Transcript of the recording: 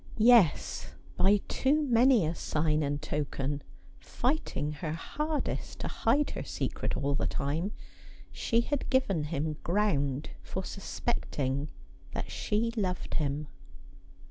Yes ; by too many a sign and token — fighting her hardest to hide her secret all the time — she had given him ground for suspect ing that she loved him.